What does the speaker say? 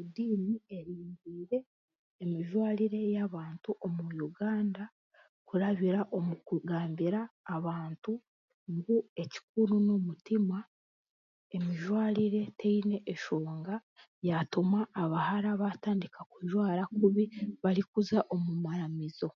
Ediini eihindwire emijwarire y'abantu omu Uganda kurabira omu kugambira abantu ngu ekikuro n'omutima emijwarire teine enshonga kyatuma abahara baatandika kujwara kubi barikuza omu maramizo